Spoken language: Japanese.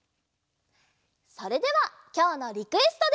それではきょうのリクエストで。